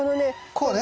こうね。